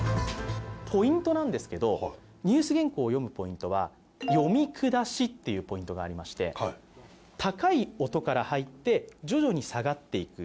ポイントなんですけど、ニュース原稿を読むポイントは読み下しというポイントがありまして、高い音から入って、徐々に下がっていく。